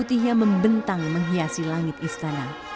tugas pertama tuntas ditunaikan